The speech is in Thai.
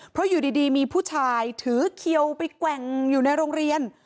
เพราะอยู่ดีมีผู้ชายถือเขียวไปแกว่งอยู่ในโรงเรียน